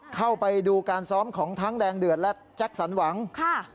เข้าไปดูการซ้อมของทั้งแดงเดือดและแจ็คสันหวังค่ะ